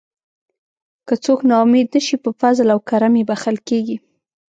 که څوک نا امید نشي په فضل او کرم یې بښل کیږي.